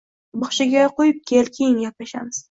Bog`chaga qo`yib kel, keyin gaplashamiz